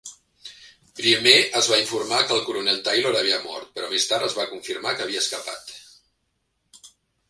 Primer es va informar que el coronel Taylor havia mort, però més tard es va confirmar que havia escapat.